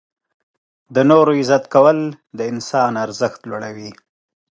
• د نورو عزت کول د انسان ارزښت لوړوي.